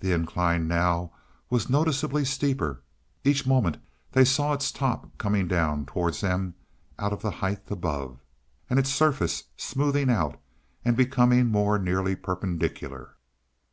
The incline now was noticeably steeper; each moment they saw its top coming down towards them out of the heights above, and its surface smoothing out and becoming more nearly perpendicular.